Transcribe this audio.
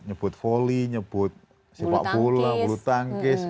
nyebut volley nyebut sepak bola bulu tangkis